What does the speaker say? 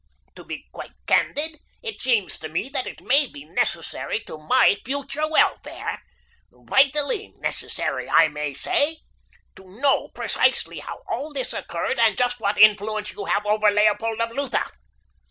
To be quite candid, it seems to me that it may be necessary to my future welfare—vitally necessary, I may say—to know precisely how all this occurred, and just what influence you have over Leopold of Lutha.